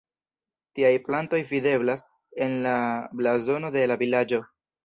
Tiaj plantoj videblas en la blazono de la vilaĝo.